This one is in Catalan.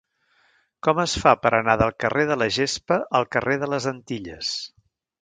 Com es fa per anar del carrer de la Gespa al carrer de les Antilles?